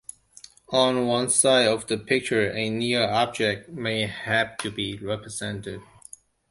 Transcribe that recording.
On one side of the picture a near object may have to be represented.